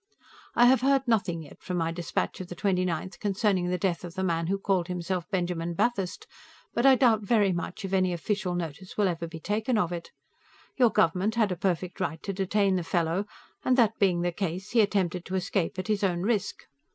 I have heard nothing, yet, from my dispatch of the 29th concerning the death of the man who called himself Benjamin Bathurst, but I doubt very much if any official notice will ever be taken of it. Your government had a perfect right to detain the fellow, and, that being the case, he attempted to escape at his own risk.